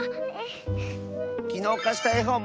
きのうかしたえほん